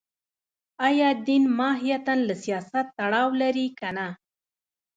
ایا دین ماهیتاً له سیاست تړاو لري که نه